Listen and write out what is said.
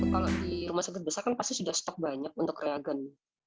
kalau di rumah sakit besar kan pasti sudah stok banyak untuk reagen